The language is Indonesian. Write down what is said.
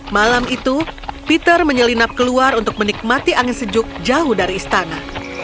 malam itu peter menyelinap keluar untuk menikmati angin sejuk jauh dari istana